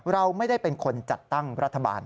เราไม่ได้เป็นคนจัดตั้งรัฐบาล